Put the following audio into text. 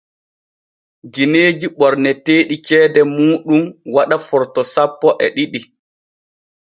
Gineeji ɓorneteeɗi ceede muuɗum waɗa Forto sappo e ɗiɗi.